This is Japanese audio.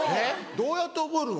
どうやって覚えるの？